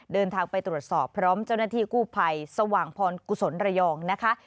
เดินทางไปตรวจสอบพร้อมเจ้าหน้าที่กู้ภัยสว่างพรกุศลระยองนะคะ